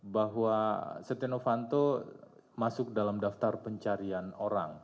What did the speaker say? bahwa setenovanto masuk dalam daftar pencarian orang